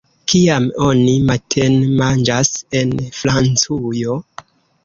Kiam oni matenmanĝas en Francujo?